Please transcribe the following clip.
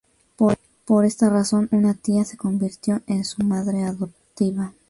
Por esta razón una tía se convirtió en su madre adoptiva.